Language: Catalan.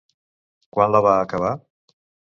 Quan la va acabar?